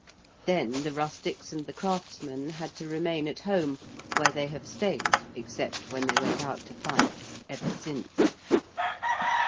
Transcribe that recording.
Then the rustics and the craftsmen had to remain at home where they have stayed, except when they went out to fight, ever since.